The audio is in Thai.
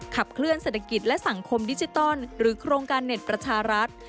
ขับเคลื่อนเศรษฐกิจและสังคมดิจิตอลหรือโครงการเน็ตประชารัฐ